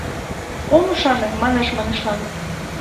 Ом ӱшане манеш-манешлан